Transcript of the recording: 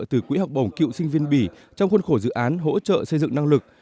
từ quỹ học bổng cựu sinh viên bỉ trong khuôn khổ dự án hỗ trợ xây dựng năng lực